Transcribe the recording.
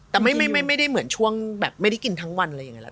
แต่ไม่ได้เหมือนช่วงแบบไม่ได้กินทั้งวันอะไรอย่างนี้